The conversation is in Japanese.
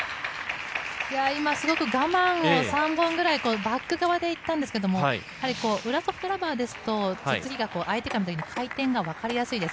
今、すごく３本ぐらいバック側で行ったんですけど、裏ソフトラバーですと、ツッツキが相手から見たときに回転がわかりやすいです。